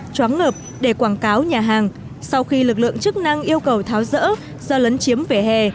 chóng ngợp để quảng cáo nhà hàng sau khi lực lượng chức năng yêu cầu tháo rỡ do lấn chiếm vỉa hè